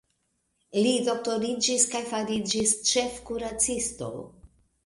Li doktoriĝis kaj fariĝis ĉefkuracisto.